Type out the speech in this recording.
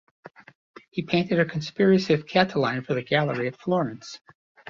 He painted a "Conspiracy of Catiline" for the Gallery at Florence.